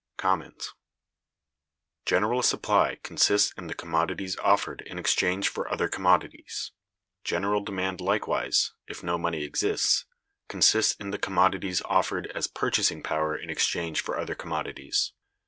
General supply consists in the commodities offered in exchange for other commodities; general demand likewise, if no money exists, consists in the commodities offered as purchasing power in exchange for other commodities.